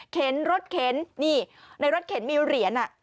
รถเข็นนี่ในรถเข็นมีเหรียญ